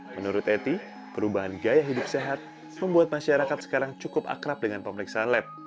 menurut eti perubahan gaya hidup sehat membuat masyarakat sekarang cukup akrab dengan pemeriksaan lab